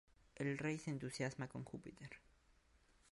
El Rey se entusiasma con Júpiter.